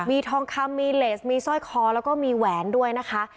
มีทองคำมีเลสมีสร้อยคอแล้วก็มีแหวนด้วยนะคะ